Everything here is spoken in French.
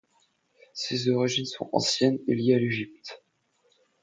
Ses origines sont anciennes et liées à l'Égypte.